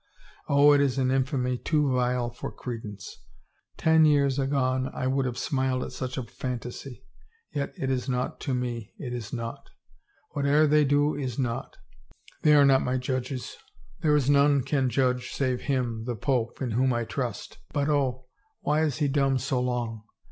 Oh, it is an infamy too vile for credence — ten years agone I would have smiled at such a phantasy. ... Yet it is naught to me, it is naught! Whatever they do is naught! They are not my judges — there is none can judge save him, the pope, in whom I trust — but oh, why is he dumb so long?